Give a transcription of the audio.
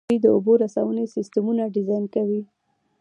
دوی د اوبو رسونې سیسټمونه ډیزاین کوي.